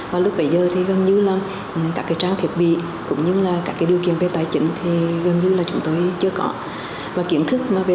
và lúc bây giờ thì gần như là các trang thiệp bị cũng như là các điều kiện về tài chính thì gần như là chúng tôi chưa có